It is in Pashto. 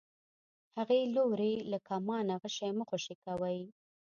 هغې لورې له کمانه غشی مه خوشی کوئ.